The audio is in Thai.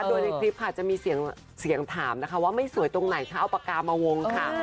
โดยในคลิปค่ะจะมีเสียงถามนะคะว่าไม่สวยตรงไหนคะเอาปากกามาวงค่ะ